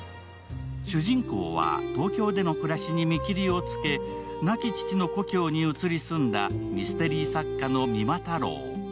主人公は、東京での暮らしに見きりをつけ、亡き父の故郷に移り住んだミステリー作家の三馬太郎。